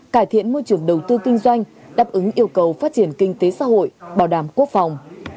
cải thiện môi trường đầu tư kinh doanh đáp ứng yêu cầu phát triển kinh tế xã hội bảo đảm quốc phòng